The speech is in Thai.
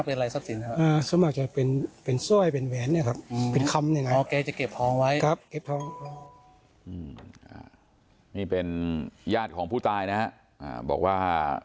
เป็นรายัดวินิวแห่งเมืองเภอมันเป็นคนดีเนาะ